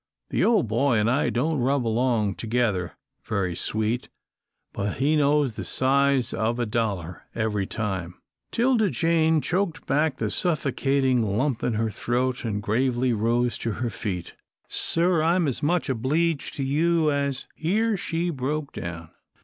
The old boy and I don't rub along together very sweet, but he knows the size of a dollar every time." 'Tilda Jane choked back the suffocating lump in her throat, and gravely rose to her feet. "Sir, I'm as much obleeged to you as " Here she broke down.